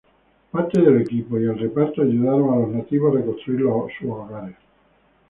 Parte del equipo y el reparto ayudaron a los nativos a reconstruir sus hogares.